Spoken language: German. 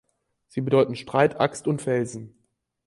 Sie bedeuten Streitaxt und Felsen.